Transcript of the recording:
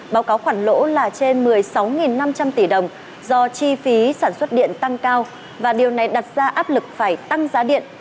báo cáo khoản lỗ là trên một mươi sáu năm trăm linh tỷ đồng do chi phí sản xuất điện tăng cao và điều này đặt ra áp lực phải tăng giá điện